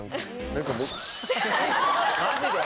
マジで？